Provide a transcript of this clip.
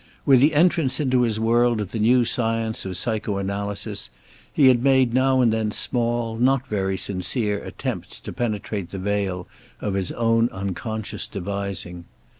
With the entrance into his world of the new science of psycho analysis he had made now and then small, not very sincere, attempts to penetrate the veil of his own unconscious devising.